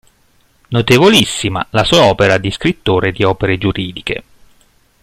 Notevolissima la sua opera di scrittore di opere giuridiche.